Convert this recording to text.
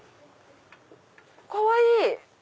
かわいい！